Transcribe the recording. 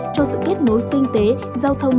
cho sự kết nối kinh tế giao thông